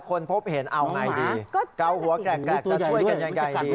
คนพบเห็นเอาไงดีเกาหัวแกรกจะช่วยกันยังไงดี